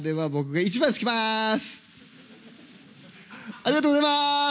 ありがとうございます。